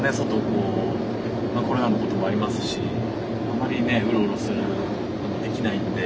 こうまあコロナのこともありますしあまりねうろうろすることできないんで。